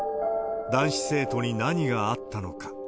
男子生徒に何があったのか。